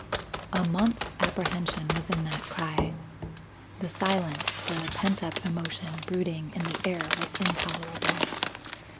A month's apprehension was in that cry. The silence, the pent up emotion brooding in the air was intolerable.